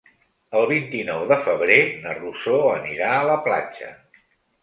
El vint-i-nou de febrer na Rosó anirà a la platja.